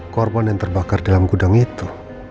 korban yang terbakar dalam gudang itu